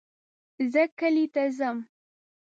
زه کلي ته ځم